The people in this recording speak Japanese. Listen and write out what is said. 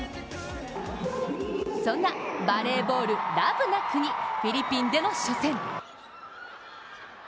そんなバレーボールラブな国、フィリピンでの初戦。